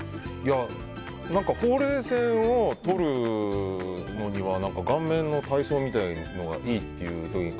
ほうれい線をとるのには顔面の体操みたいなのがいいっていうふうに。